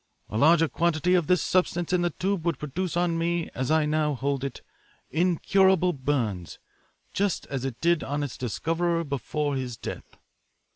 A larger quantity of this substance in the tube would produce on me, as I now hold it, incurable burns, just as it did on its discoverer before his death.